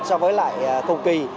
so với lại cùng kỳ